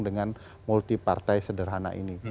dengan multi partai sederhana ini